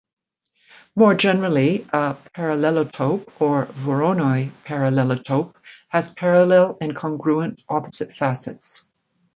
More generally a parallelotope, or "voronoi parallelotope", has parallel and congruent opposite facets.